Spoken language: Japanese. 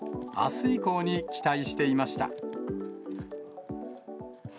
あす以降に期待していました。